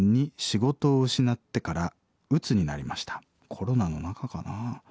コロナの中かなあ。